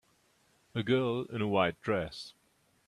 A girl in a white dress